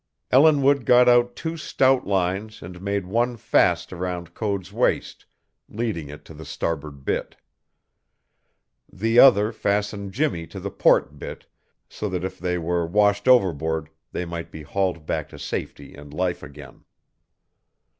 Ellinwood got out two stout lines and made one fast around Code's waist, leading it to the starboard bitt. The other fastened Jimmie to the port bitt, so that if they were washed overboard they might be hauled back to safety and life again.